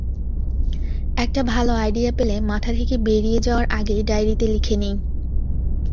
একটা ভালো আইডিয়া পেলে, মাথা থেকে বেরিয়ে যাওয়ার আগেই ডায়েরিতে লিখে নিই।